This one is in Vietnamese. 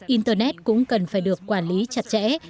internet cũng cần phải được quản lý chặt chẽ